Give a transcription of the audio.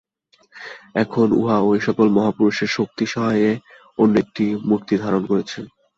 এখন উহা ঐ-সকল মহাপুরুষের শক্তিসহায়ে অন্য এক মূর্তি ধারণ করেছে।